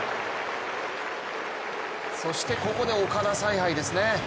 そしてここで岡田采配ですね。